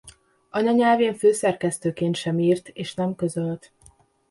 Anyanyelvén főszerkesztőként sem írt és nem közölt.